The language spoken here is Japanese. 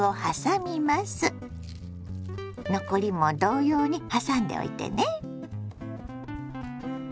残りも同様にはさんでおいてね。